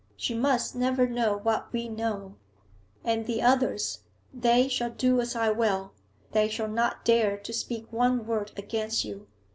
She must never know what we know, And the others they shall do as I will; they shall not dare to speak one word against you.